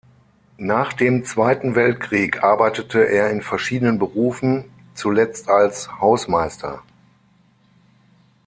Nach dem Zweiten Weltkrieg arbeitete er in verschiedenen Berufen, zuletzt als Hausmeister.